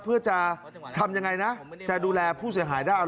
เพื่อจะทำยังไงนะจะดูแลผู้เสียหายได้